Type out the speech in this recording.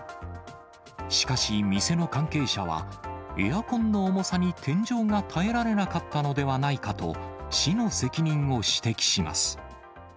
しかし店の関係者は、エアコンの重さに天井が耐えられなかったのではないかと、市の責任を指摘します。